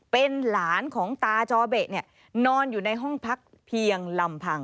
เป็นหลานของตาจอเบะนอนอยู่ในห้องพักเพียงลำพัง